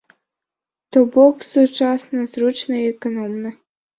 То бок сучасна, зручна і эканомна.